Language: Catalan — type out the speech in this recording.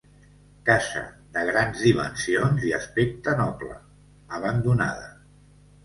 Casa de grans dimensions i aspecte noble, abandonada.